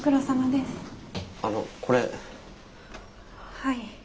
はい。